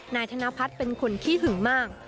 นายธนพัฒน์เป็นคนขี้หึงมาก